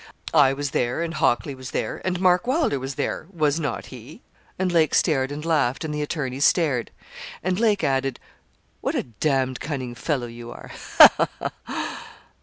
'I was there, and Hockley was there, and Mark Wylder was there was not he?' and Lake stared and laughed, and the attorney stared; and Lake added, 'What a d d cunning fellow you are; ha, ha, ha!'